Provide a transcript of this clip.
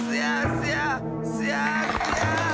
すやすや！